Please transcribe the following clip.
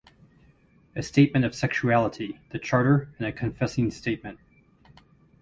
A statement of sexuality, "The Charter and a Confessing Statement".